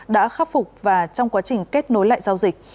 đã khắc phục và trong quá trình kết nối lại giao dịch